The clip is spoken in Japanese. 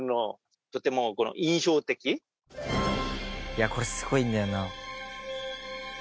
「いやこれすごいんだよな」